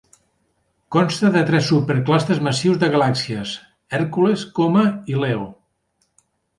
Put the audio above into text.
Consta de tres superclústers massius de galàxies: Hercules, Coma i Leo.